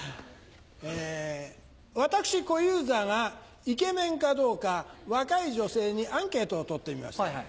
私小遊三がイケメンかどうか若い女性にアンケートを取ってみました。